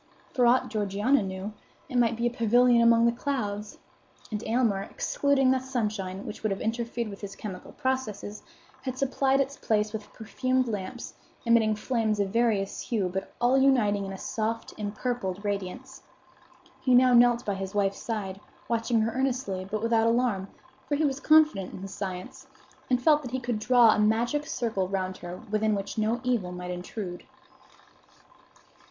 For aught Georgiana knew, it might be a pavilion among the clouds. And Aylmer, excluding the sunshine, which would have interfered with his chemical processes, had supplied its place with perfumed lamps, emitting flames of various hue, but all uniting in a soft, impurpled radiance. He now knelt by his wife's side, watching her earnestly, but without alarm; for he was confident in his science, and felt that he could draw a magic circle round her within which no evil might intrude.